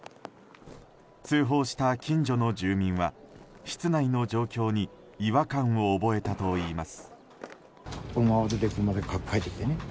通報した近所の住民は室内の状況に違和感を覚えたといいます。